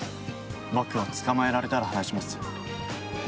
僕を捕まえられたら話しますよ。